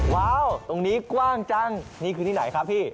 ว้าวตรงนี้กว้างจังนี่คือที่ไหนครับพี่